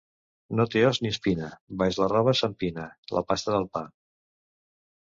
No té os ni espina, baix la roba s’empina: la pasta del pa.